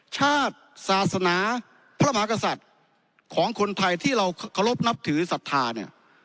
ชาติศาสนาพระมหากษัตริย์ของคนไทยที่เราเคารพนับถือศรัทธาเนี่ย